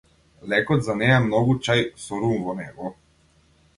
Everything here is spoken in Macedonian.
Лекот за неа е многу чај со рум во него.